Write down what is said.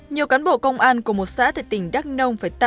nhiều cán bộ công an của một xã tại tỉnh đắk nông phải tạm